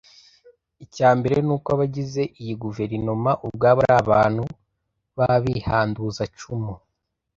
Icyambere ni uko abagize iyi guverinoma ubwabo ari abantu b’abihanduzacumu